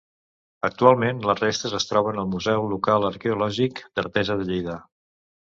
Actualment, les restes es troben al Museu Local Arqueològic d'Artesa de Lleida.